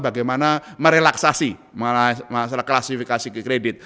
bagaimana merelaksasi mengenai masalah klasifikasi kredit